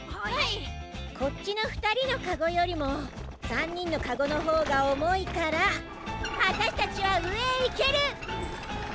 こっちのふたりのかごよりも３にんのかごのほうがおもいからわたしたちはうえへいける！